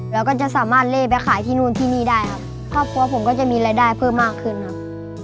แล้วก็จะสามารถเล่ไปขายที่นู่นที่นี่ได้ครับครอบครัวผมก็จะมีรายได้เพิ่มมากขึ้นครับ